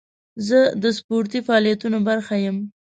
زه د سپورتي فعالیتونو برخه یم.